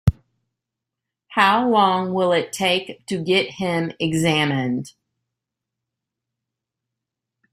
How long will it take to get him examined?